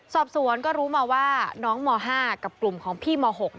สอบสวนก็รู้มาว่าน้องม๕กับกลุ่มของพี่ม๖